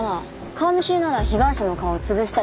顔見知りなら被害者の顔つぶしたりするって。